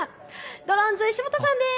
ドロンズ石本さんです。